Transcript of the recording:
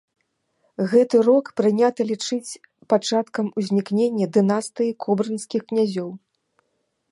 Гэты рок прынята лічыць пачаткам узнікнення дынастыі кобрынскіх князёў.